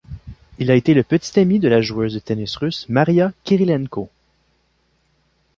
Il a été le petit ami de la joueuse de tennis russe Maria Kirilenko.